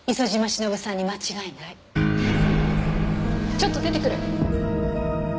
ちょっと出てくる。